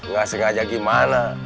gak sengaja gimana